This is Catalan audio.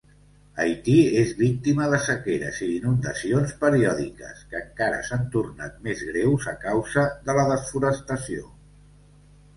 Haiti és víctima de sequeres i inundacions periòdiques, que encara s'han tornat més greus a causa de la desforestació.